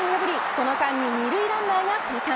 この間に２塁ランナーが生還。